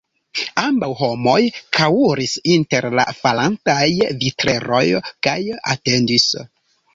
Ambaŭ homoj kaŭris inter la falantaj vitreroj kaj atendis.